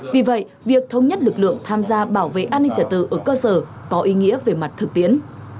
vì vậy việc thống nhất lực lượng tham gia bảo vệ an ninh trả tự ở cơ sở có ý nghĩa về mặt thực tiễn